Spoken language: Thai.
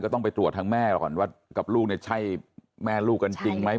ต้องไปตรวจทางแม่เราก่อนว่ากับลูกเนี่ยใช่แม่ลูกกันจริงไหม